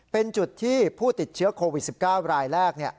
เป็นจุดที่ผู้ติดเชื้อโควิด๑๙รายแรก